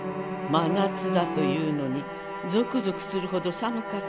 「真夏だというのにゾクゾクするほど寒かった。